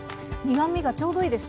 苦みがちょうどいいです。